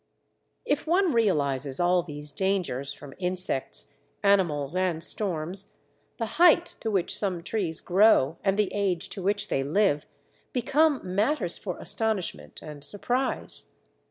If one realizes all these dangers from insects, animals, and storms, the height to which some trees grow and the age to which they live become matters for astonishment and surprise.